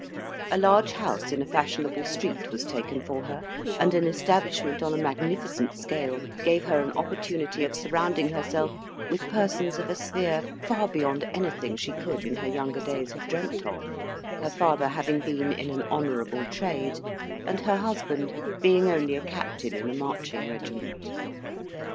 A large house in a fashionable street was taken for her, and an establishment on a magnificent scale gave her an opportunity of surrounding herself with persons of a sphere far beyond anything she could in her younger days have dreamt of; her father having been in an honourable trade, and her husband being only a captain in a marching regiment.